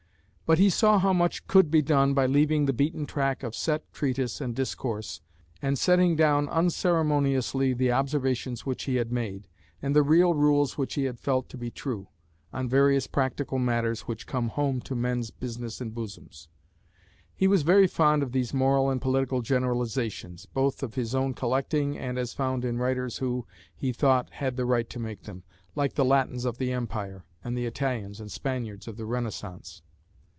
But he saw how much could be done by leaving the beaten track of set treatise and discourse, and setting down unceremoniously the observations which he had made, and the real rules which he had felt to be true, on various practical matters which come home to men's "business and bosoms." He was very fond of these moral and political generalisations, both of his own collecting and as found in writers who, he thought, had the right to make them, like the Latins of the Empire and the Italians and Spaniards of the Renaissance.